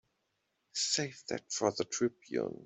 Save that for the Tribune.